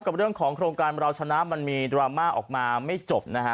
กับเรื่องของโครงการเราชนะมันมีดราม่าออกมาไม่จบนะฮะ